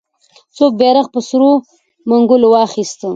څوک بیرغ په سرو منګولو واخیست؟